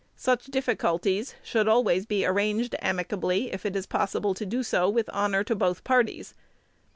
Such difficulties should always be arranged amicably, if it is possible to do so with honor to both parties.